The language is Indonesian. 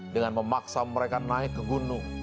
dengan memaksa mereka naik ke gunung